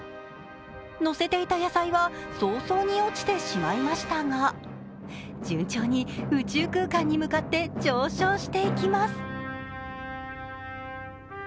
乗せていた野菜は早々に落ちてしまいましたが順調に宇宙空間に向かって上昇していきます